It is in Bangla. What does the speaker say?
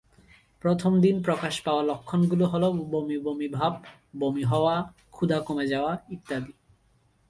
প্রথম দিন প্রকাশ পাওয়া লক্ষণগুলো হল বমি বমি ভাব, বমি হওয়া, ক্ষুধা কমে যাওয়া ইত্যাদি।